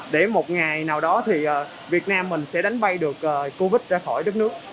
để một ngày nào đó thì việt nam mình sẽ đánh bay được covid ra khỏi đất nước